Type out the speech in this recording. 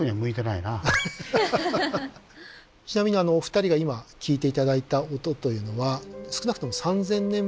ちなみにお二人が今聞いて頂いた音というのは３，０００年前。